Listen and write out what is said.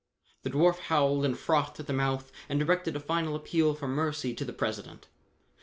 The dwarf howled and frothed at the mouth and directed a final appeal for mercy to the President.